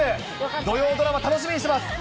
土曜ドラマ、楽しみにしています。